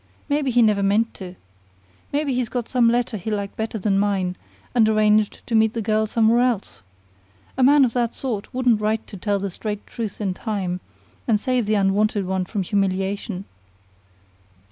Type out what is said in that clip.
Maybe he never meant to. Maybe he got some letter he liked better than mine, and arranged to meet the girl somewhere else. A man of that sort wouldn't write to tell the straight truth in time, and save the unwanted one from humiliation."